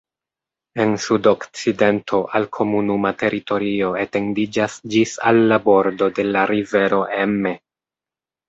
En sudokcidento al komunuma teritorio etendiĝas ĝis al la bordo de la rivero Emme.